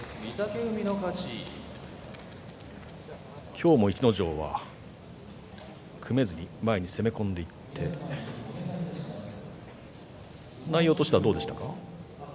今日も逸ノ城は組めずに前に攻め込んでいって内容としては、どうですか？